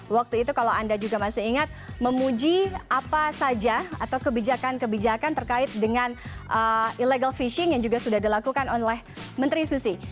waktu itu kalau anda juga masih ingat memuji apa saja atau kebijakan kebijakan terkait dengan illegal fishing yang juga sudah dilakukan oleh menteri susi